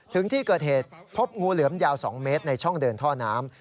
ถึงที่เกิดเหตุพบงูเหลือมยาว๒เมตรในช่องเดินท่อน้ำ